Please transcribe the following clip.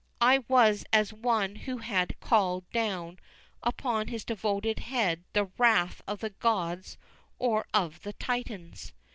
I was as one who had called down upon his devoted head the wrath of the gods or of the Titans.